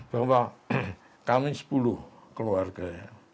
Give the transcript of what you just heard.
bahwa kami sepuluh keluarga